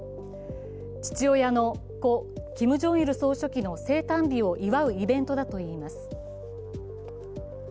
父親の故キム・ジョンイル総書記の生誕日を祝うイベントだといいます。